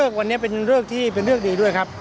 ก็เป็นเรื่องที่ดีด้วยครับ